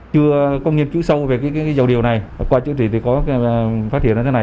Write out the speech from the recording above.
về cái dầu điều này qua chữa trị thì có phát hiện ra thế này